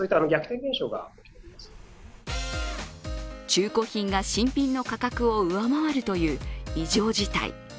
中古品が新品の価格を上回るという異常事態。